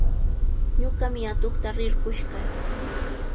Ñuqami atuqta rirqush kaa.